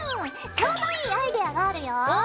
ちょうどいいアイデアがあるよ！